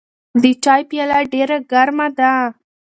د چای پیاله ډېره ګرمه وه.